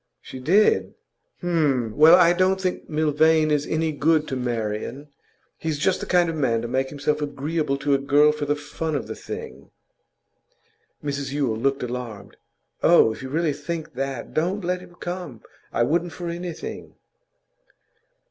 'She did? H'm! Well, I don't think Milvain is any good to Marian. He's just the kind of man to make himself agreeable to a girl for the fun of the thing.' Mrs Yule looked alarmed. 'Oh, if you really think that, don't let him come. I wouldn't for anything.